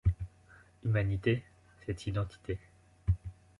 Humanité, c’est identité.